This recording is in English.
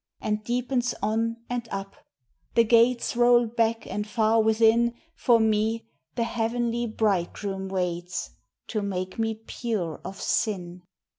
And deepens on and up ! the gates Roll back, and far within For me the Heavenly Bridegroom waits, To make me pure of sin.